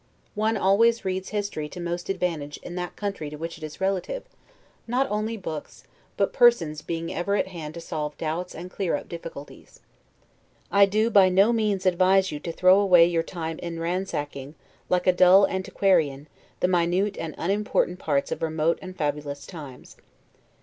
One always reads history to most advantage in that country to which it is relative; not only books, but persons being ever at hand to solve doubts and clear up difficulties. I do by no means advise you to throw away your time in ransacking, like a dull antiquarian, the minute and unimportant parts of remote and fabulous times.